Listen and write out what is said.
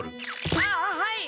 あっはい！